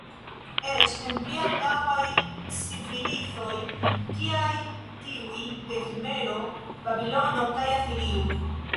Eĉ en pli antaŭaj civilizoj kiaj tiuj de Sumero, Babilono kaj Asirio.